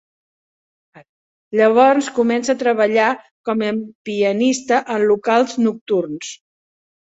Llavors començà a treballar com a pianista en locals nocturns.